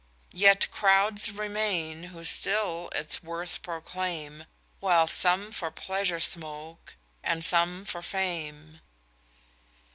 __Yet crowds remain, who still its worth proclaim, While some for pleasure smoke, and some for Fame.